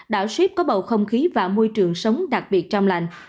đảo sip có bầu không khí và môi trường sống đặc biệt trong lành